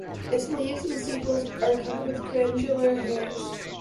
Its leaves and sepals are covered with glandular hairs.